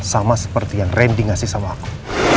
sama seperti yang randy ngasih sama aku